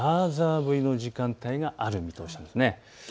降りの時間帯がある見込みです。